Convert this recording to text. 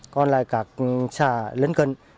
còn lại các xã lân cận